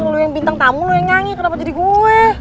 lu yang bintang tamu lo yang nyanyi kenapa jadi gue